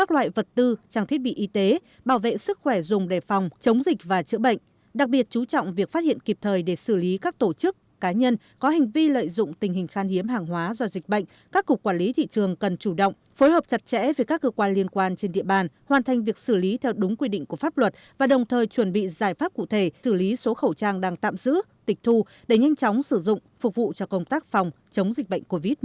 tư trang thiết bị y tế bảo vệ sức khỏe dùng để phòng chống dịch và chữa bệnh đặc biệt chú trọng việc phát hiện kịp thời để xử lý các tổ chức cá nhân có hành vi lợi dụng tình hình khan hiếm hàng hóa do dịch bệnh các cục quản lý thị trường cần chủ động phối hợp chặt chẽ với các cơ quan liên quan trên địa bàn hoàn thành việc xử lý theo đúng quy định của pháp luật và đồng thời chuẩn bị giải pháp cụ thể xử lý số khẩu trang đang tạm giữ tịch thu để nhanh chóng sử dụng phục vụ cho công tác phòng chống dịch bệ